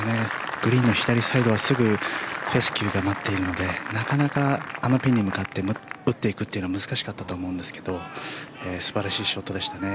グリーンの左サイドはすぐフェスキューが待っているのでなかなかあのピンに向かって打っていくというのは難しかったと思うんですけど素晴らしいショットでしたね。